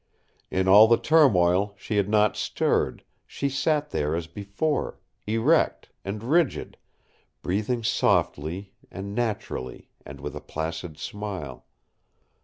In all the turmoil she had not stirred; she sat there as before, erect and rigid, breathing softly and naturally and with a placid smile.